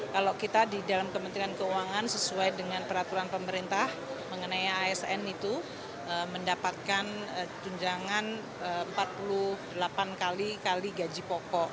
kalau kita di dalam kementerian keuangan sesuai dengan peraturan pemerintah mengenai asn itu mendapatkan tunjangan empat puluh delapan kali gaji pokok